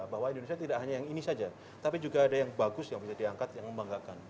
bahwa indonesia tidak hanya yang ini saja tapi juga ada yang bagus yang bisa diangkat yang membanggakan